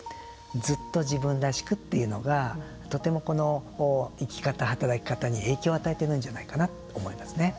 ずっと自分らしくっていうのがとても、この生き方・働き方に影響を与えているんじゃないかなと思いますね。